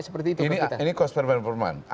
seperti itu ini cost per member per month